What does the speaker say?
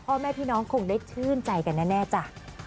พ่อแม่พี่น้องคงได้ชื่นใจกันแน่จ้ะ